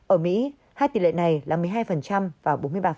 ở mỹ hai tỷ lệ này là một mươi hai và bốn mươi ba